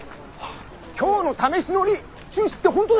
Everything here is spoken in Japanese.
今日の試し乗り中止って本当ですか？